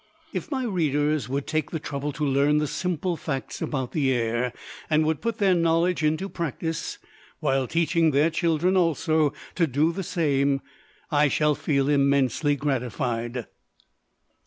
If my readers would take the trouble to learn the simple facts about the air and would put their knowledge into practice, while teaching their children also to do the same. I shall feel immensely gratified.